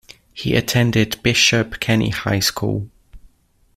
He attended Bishop Kenny High School.